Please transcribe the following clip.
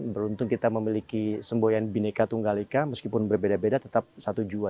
beruntung kita memiliki semboyan bineka tunggalika meskipun berbeda beda tetap satu jua